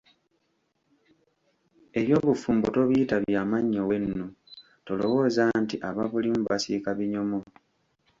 Eby'obufumbo tobiyita bya mannyo wenu, tolowooza nti ababulimu basiika binyomo!